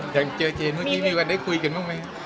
เจอเจนพอทีมีวันได้คุยกันบ้างมั้ย